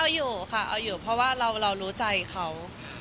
เอาอยู่ค่ะเอาอยู่เพราะว่าเรารู้ใจเขา